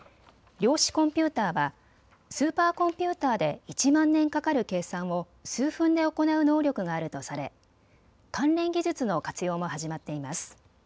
量子コンピューターはスーパーコンピューターで１万年かかる計算を数分で行う能力があるとされ関連技術の活用も始まっています。